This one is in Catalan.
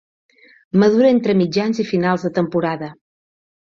Madura entre mitjans i finals de temporada.